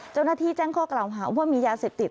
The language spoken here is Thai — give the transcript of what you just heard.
เจ้าหน้าที่แจ้งข้อกล่าวหาว่ามียาเสพติด